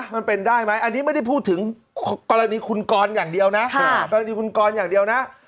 มันเป็นได้ไหมอันนี้ไม่ได้พูดถึงกรณีคุณกรอย่างเดียวนะ